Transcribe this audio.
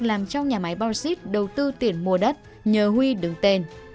làm trong nhà máy bossis đầu tư tiền mua đất nhờ huy đứng tên